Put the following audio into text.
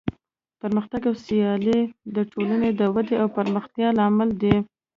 پرمختګ او سیالي د ټولنې د ودې او پرمختیا لامل دی.